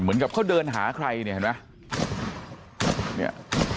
เหมือนกับเขาเดินหาใครเนี่ยเห็นไหม